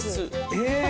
え！